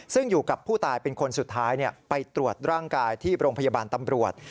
ซึ่งอยู่กับผู้ตายเป็นคนสุดท้ายไปตรวจร่างกายที่โรงพยาบาลตำรวจ